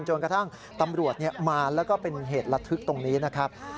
จนกระทั่งตำรวจมาแล้วก็เป็นเหตุระทึกตรงนี้นะครับ